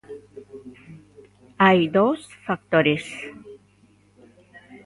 Hai dous factores.